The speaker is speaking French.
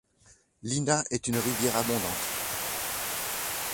L'Ina est une rivière abondante.